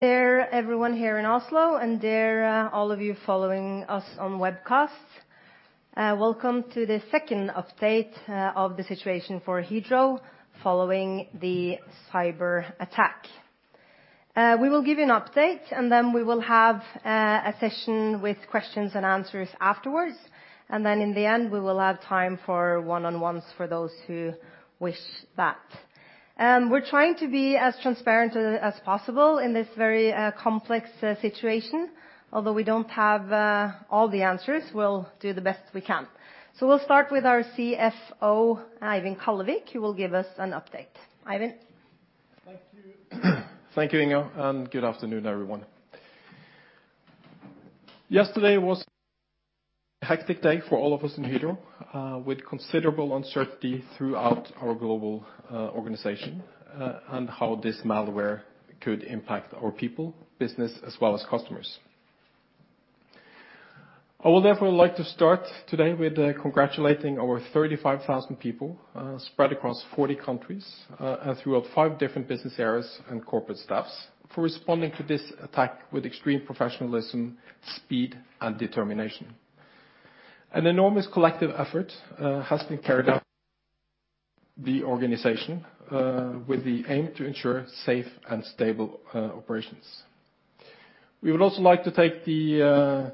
There everyone here in Oslo, and there, all of you following us on webcast. Welcome to the second update of the situation for Hydro following the cyber attack. We will give you an update, and then we will have a session with questions and answers afterwards. In the end, we will have time for one-on-ones for those who wish that. We're trying to be as transparent as possible in this very complex situation. Although we don't have all the answers, we'll do the best we can. We'll start with our CFO, Eivind Kallevik, who will give us an update. Eivind. Thank you. Thank you, Inga, and good afternoon, everyone. Yesterday was a hectic day for all of us in Hydro, with considerable uncertainty throughout our global organization, and how this malware could impact our people, business, as well as customers. I would therefore like to start today with congratulating our 35,000 people, spread across 40 countries, and throughout five different business areas and corporate staffs for responding to this attack with extreme professionalism, speed and determination. An enormous collective effort has been carried out the organization, with the aim to ensure safe and stable operations. We would also like to take the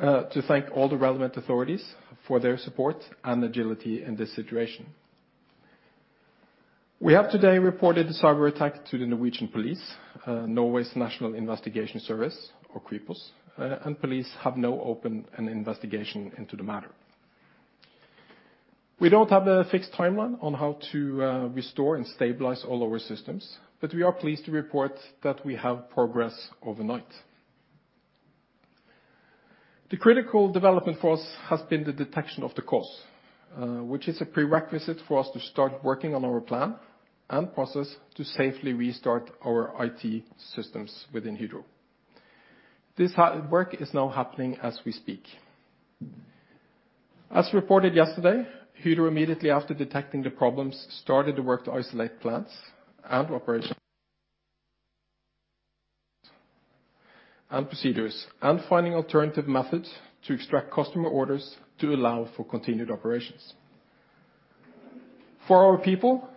to thank all the relevant authorities for their support and agility in this situation. We have today reported the cyberattack to the Norwegian police, Norway's National Criminal Investigation Service or Kripos, and police have now opened an investigation into the matter. We don't have a fixed timeline on how to restore and stabilize all our systems, but we are pleased to report that we have progress overnight. The critical development for us has been the detection of the cause, which is a prerequisite for us to start working on our plan and process to safely restart our IT systems within Hydro. This work is now happening as we speak. As reported yesterday, Hydro, immediately after detecting the problems, started the work to isolate plants and operations and procedures and finding alternative methods to extract customer orders to allow for continued operations. For our people,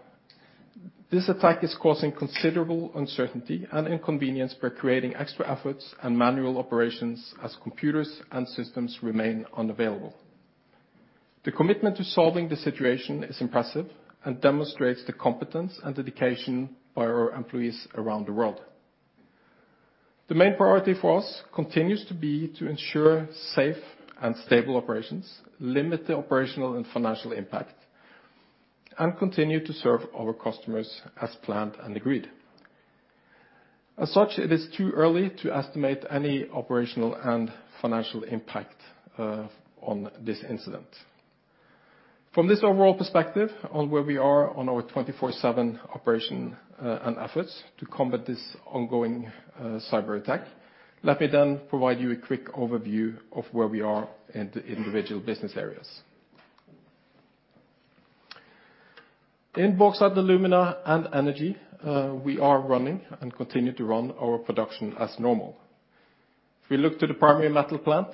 this attack is causing considerable uncertainty and inconvenience by creating extra efforts and manual operations as computers and systems remain unavailable. The commitment to solving the situation is impressive and demonstrates the competence and dedication by our employees around the world. The main priority for us continues to be to ensure safe and stable operations, limit the operational and financial impact, and continue to serve our customers as planned and agreed. As such, it is too early to estimate any operational and financial impact on this incident. From this overall perspective on where we are on our 24/7 operation and efforts to combat this ongoing cyberattack, let me then provide you a quick overview of where we are in the individual business areas. In Bauxite & Alumina and Energy, we are running and continue to run our production as normal. If we look to the Primary Metal plant,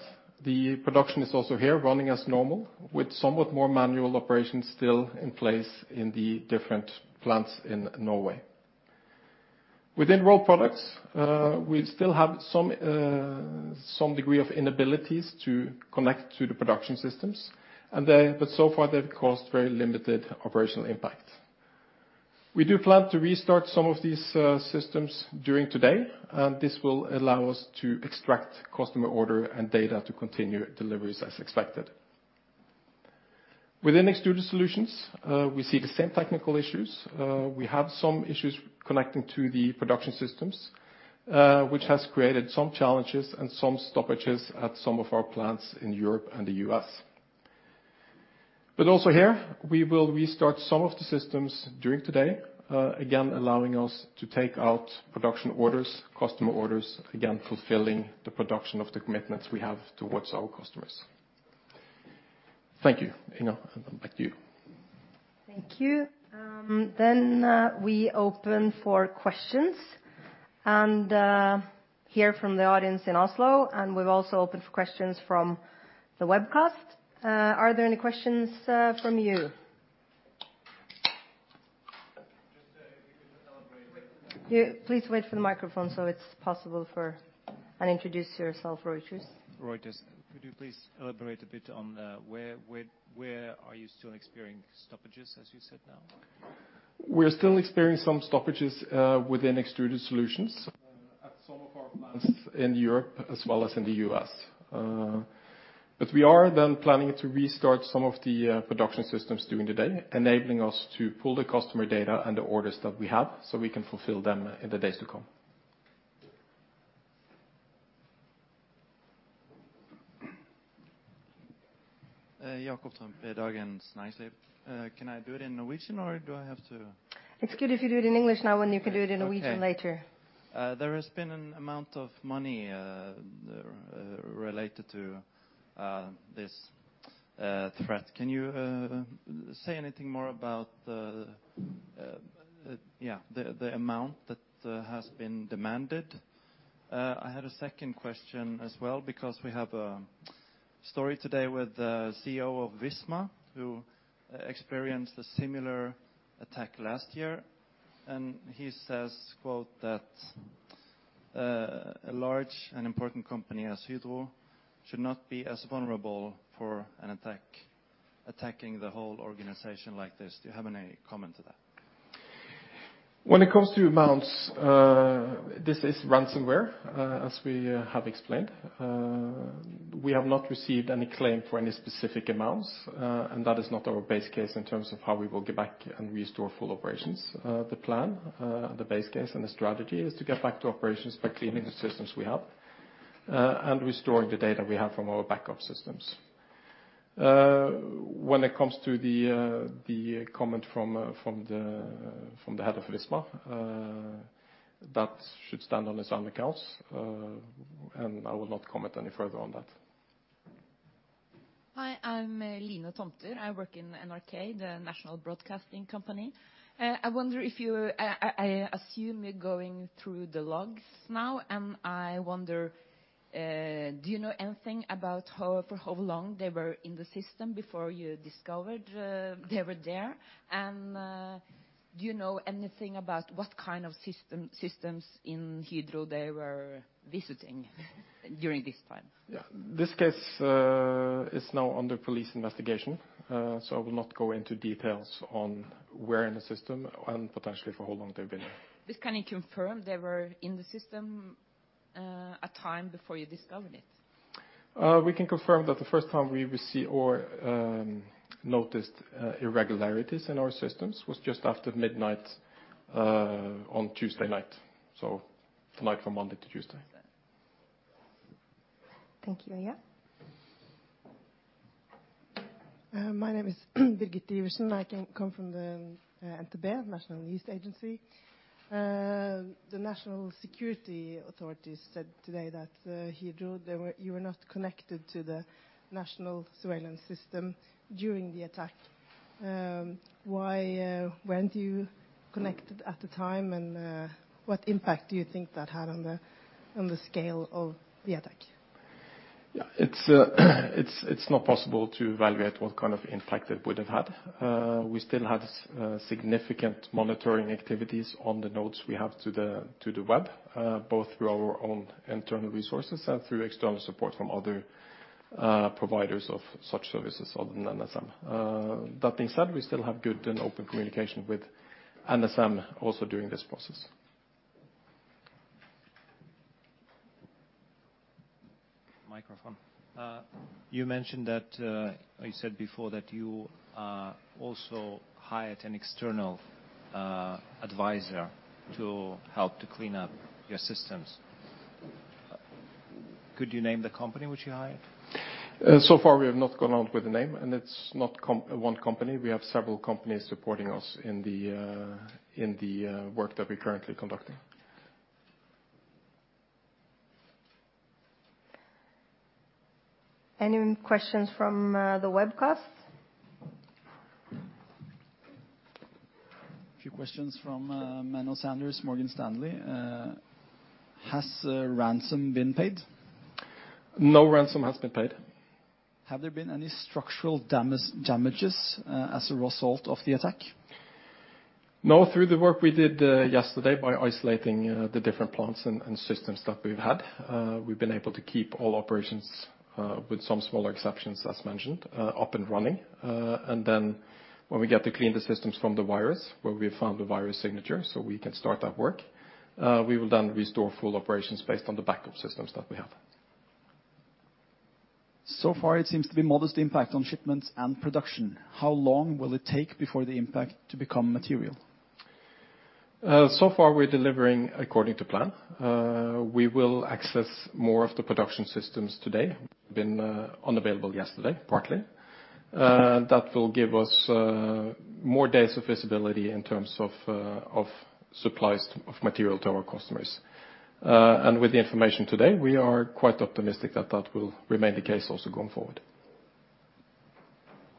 the production is also here running as normal, with somewhat more manual operations still in place in the different plants in Norway. Within Rolled Products, we still have some degree of inabilities to connect to the production systems, so far, they've caused very limited operational impact. We do plan to restart some of these systems during today, and this will allow us to extract customer order and data to continue deliveries as expected. Within Extruded Solutions, we see the same technical issues. We have some issues connecting to the production systems, which has created some challenges and some stoppages at some of our plants in Europe and the U.S. Also here, we will restart some of the systems during today, again allowing us to take out production orders, customer orders, again fulfilling the production of the commitments we have towards our customers. Thank you. Inga, back to you. Thank you. We open for questions and here from the audience in Oslo, and we've also opened for questions from the webcast. Are there any questions from you? Just, if you could elaborate. Yeah. Please wait for the microphone so it's possible for. Introduce yourself, Reuters. Reuters. Could you please elaborate a bit on, where are you still experiencing stoppages, as you said now? We are still experiencing some stoppages within Extruded Solutions at some of our plants in Europe as well as in the U.S. We are then planning to restart some of the production systems during the day, enabling us to pull the customer data and the orders that we have, so we can fulfill them in the days to come. Jakob from Dagens Næringsliv. Can I do it in Norwegian or do I have to? It's good if you do it in English now, and you can do it in Norwegian later. Okay. There has been an amount of money related to threat. Can you say anything more about the, yeah, the amount that has been demanded? I had a second question as well because we have a story today with the CEO of Visma who experienced a similar attack last year. He says, quote, that, "A large and important company as Hydro should not be as vulnerable for an attack. attacking the whole organization like this." Do you have any comment to that? When it comes to amounts, this is ransomware, as we have explained. We have not received any claim for any specific amounts, and that is not our base case in terms of how we will get back and restore full operations. The plan, the base case and the strategy is to get back to operations by cleaning. Mm-hmm. the systems we have, restoring the data we have from our backup systems. When it comes to the comment from the head of Visma, that should stand on its own accounts. I will not comment any further on that. Hi, I'm Line Tomter. I work in NRK, the national broadcasting company. I assume you're going through the logs now, and I wonder, do you know anything about how, for how long they were in the system before you discovered they were there? Do you know anything about what kind of systems in Hydro they were visiting during this time? Yeah. This case is now under police investigation. I will not go into details on where in the system and potentially for how long they've been there. Just can you confirm they were in the system, a time before you discovered it? We can confirm that the first time we received or noticed irregularities in our systems was just after midnight on Tuesday night. The night from Monday to Tuesday. Thank you. Yeah. My name is Birgitte Iversen. I come from the NTB National News Agency. The national security authorities said today that Hydro, you were not connected to the national surveillance system during the attack. Why weren't you connected at the time? What impact do you think that had on the scale of the attack? Yeah. It's not possible to evaluate what kind of impact it would have had. We still had significant monitoring activities on the nodes we have to the web, both through our own internal resources and through external support from other providers of such services other than NSM. That being said, we still have good and open communication with NSM also during this process. Microphone. You mentioned that you said before that you also hired an external advisor to help to clean up your systems. Could you name the company which you hired? So far we have not gone out with a name, and it's not one company. We have several companies supporting us in the work that we're currently conducting. Any questions from the webcast? Few questions from Menno Sanderse, Morgan Stanley. Has ransom been paid? No ransom has been paid. Have there been any structural damage, damages, as a result of the attack? No. Through the work we did, yesterday by isolating, the different plants and systems that we've had, we've been able to keep all operations, with some smaller exceptions as mentioned, up and running. When we get to clean the systems from the virus, where we found the virus signature so we can start that work, we will then restore full operations based on the backup systems that we have. Far it seems to be modest impact on shipments and production. How long will it take before the impact to become material? So far we're delivering according to plan. We will access more of the production systems today. Been unavailable yesterday partly. That will give us more days of visibility in terms of supplies of material to our customers. With the information today, we are quite optimistic that that will remain the case also going forward.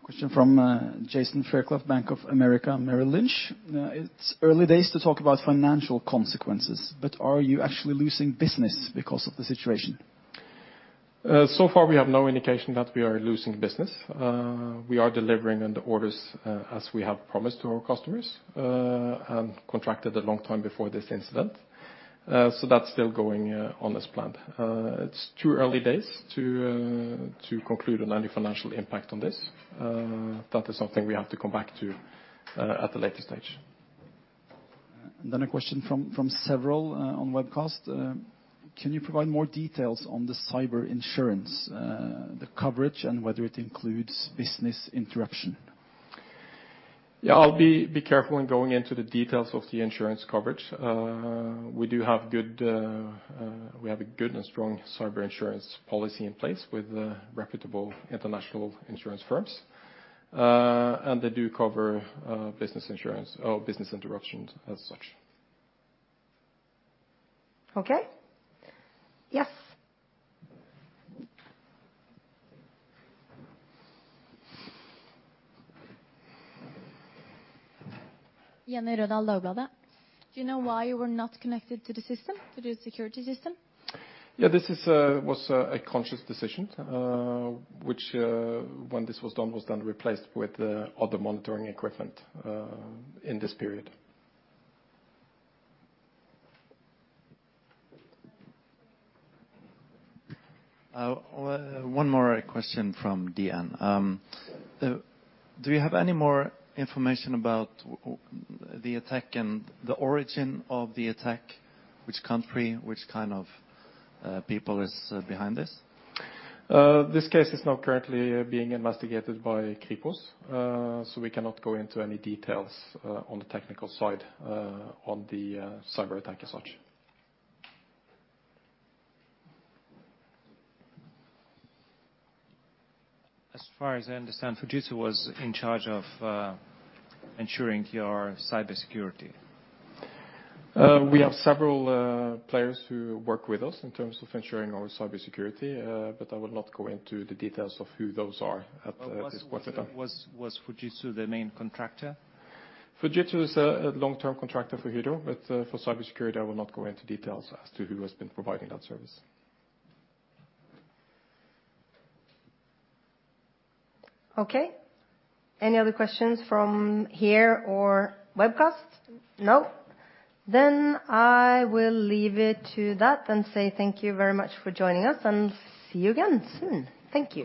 Question from Jason Ferkler, Bank of America, Merrill Lynch. It's early days to talk about financial consequences. Are you actually losing business because of the situation? Far we have no indication that we are losing business. We are delivering on the orders as we have promised to our customers and contracted a long time before this incident. That's still going on as planned. It's too early days to conclude on any financial impact on this. That is something we have to come back to at a later stage. A question from several on webcast. Can you provide more details on the cyber insurance, the coverage and whether it includes business interruption? I'll be careful in going into the details of the insurance coverage. We have a good and strong cyber insurance policy in place with reputable international insurance firms. They do cover business insurance or business interruptions as such. Okay. Yes. Jenny Rødal, Dagbladet. Do you know why you were not connected to the system, to the security system? This was a conscious decision, which when this was done, was then replaced with other monitoring equipment in this period. One more question from DN. Do you have any more information about the attack and the origin of the attack? Which country? Which kind of people is behind this? This case is now currently being investigated by Kripos. We cannot go into any details on the technical side, on the cyberattack as such. As far as I understand, Fujitsu was in charge of, ensuring your cybersecurity. We have several players who work with us in terms of ensuring our cybersecurity, but I will not go into the details of who those are at this point in time. Was Fujitsu the main contractor? Fujitsu is a long-term contractor for Hydro. For cybersecurity, I will not go into details as to who has been providing that service. Okay. Any other questions from here or webcast? No. I will leave it to that and say thank you very much for joining us and see you again soon. Thank you.